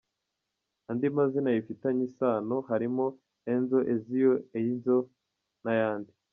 Andi mazina bifitanye isana harimo Enzzo, Ezio, Eynzo n’ayandi.